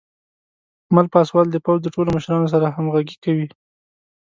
مل پاسوال د پوځ د ټولو مشرانو سره همغږي کوي.